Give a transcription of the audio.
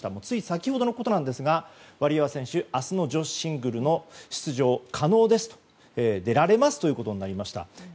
つい先ほどのことなんですがワリエワ選手、明日の女子シングルの出場は可能ですと出られますということになりました。